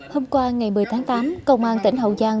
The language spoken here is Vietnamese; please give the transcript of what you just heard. hôm qua ngày một mươi tháng tám công an tỉnh hậu giang